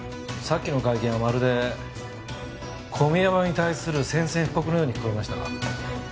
さっきの会見はまるで小宮山に対する宣戦布告のように聞こえましたが。